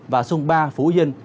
và sông ba phú yên